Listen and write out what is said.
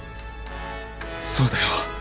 そうだよ。